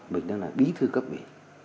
mình đang là bí thư cấp ủy